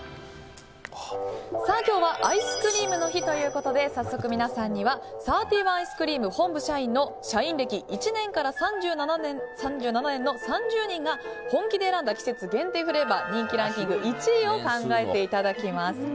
今日はアイスクリームの日ということで早速、皆さんにはサーティーワンアイスクリーム本部社員の社員歴１年から３７年の３０人が本気で選んだ季節限定フレーバー人気ランキング１位を考えていただきます。